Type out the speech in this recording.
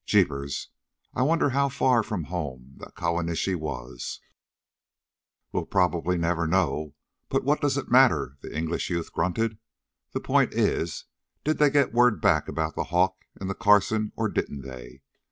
Jeepers! I wonder just how far from home that Kawanishi was?" "We'll probably never know, but what does it matter?" the English youth grunted. "The point is, did they get word back about the Hawk and the Carson, or didn't they?